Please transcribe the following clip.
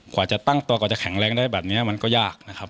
กว่าจะตั้งตัวกว่าจะแข็งแรงได้แบบนี้มันก็ยากนะครับ